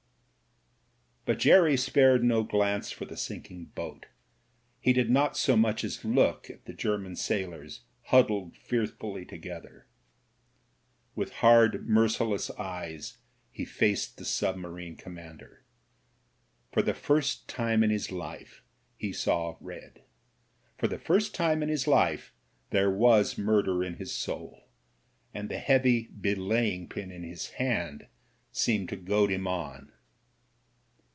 But Jerry spared no glance for the sinking boat — he did not so much as look at the German sailors hud dled fearfully together. With hard, merciless eyes he faced the submarine commander. For the first time in his life he saw red : for the first time in his life there was murder in his soul, and the heavy belaying pin in his hand seemed to goad him on.